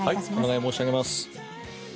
お願い申し上げます。